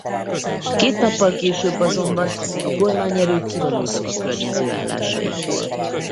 Két nappal később azonban a kormányerők kivonultak a környező állásaikból.